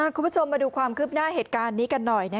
คุณผู้ชมมาดูความคืบหน้าเหตุการณ์นี้กันหน่อย